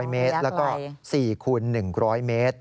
๑๕๐๐เมตรและกว่า๔คุณ๑๐๐เมตร